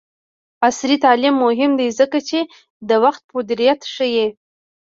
عصري تعلیم مهم دی ځکه چې د وخت مدیریت ښيي.